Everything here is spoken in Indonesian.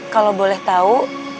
kalau boleh tahu